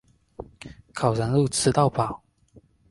烤羊肉吃到饱